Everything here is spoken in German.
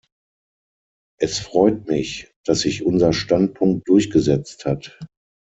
Es freut mich, dass sich unser Standpunkt durchgesetzt hat.